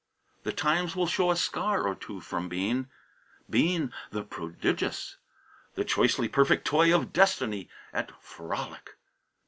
The times will show a scar or two from Bean. Bean the prodigious! The choicely perfect toy of Destiny at frolic!